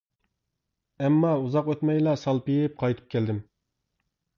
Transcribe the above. ئەمما ئۇزاق ئۆتمەيلا سالپىيىپ قايتىپ كەلدىم.